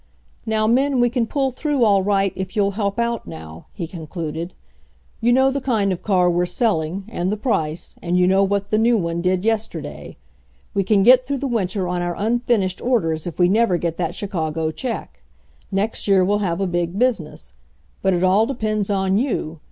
"Now, men, we can pull through all right if you'll help out now," he concluded. "You know the kind of car we're selling, and the price, and you know what the new one did yesterday. We can get through the winter on our unfinished or ders if we never get that Chicago check. Next year we'll have a big business. But it all depends on you.